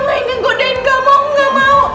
akhirnya godain kamu aku gak mau